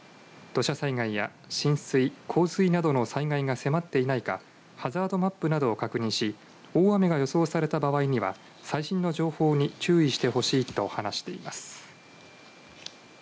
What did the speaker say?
土砂災害や浸水洪水などの災害が迫っていないかハザードマップなどを確認し大雨が予想された場合には最新の情報に注意してほしいと話しています。